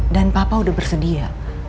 dan papa udah bersedia